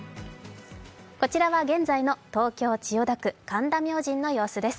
こちらは現在の東京・千代田区、神田明神の様子です。